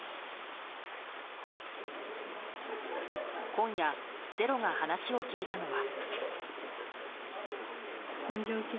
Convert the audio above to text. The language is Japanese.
今夜、「ｚｅｒｏ」が話を聞いたのは。